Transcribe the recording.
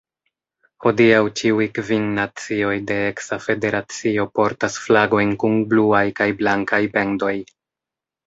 Hodiaŭ ĉiuj kvin nacioj de eksa federacio portas flagojn kun bluaj kaj blankaj bendoj.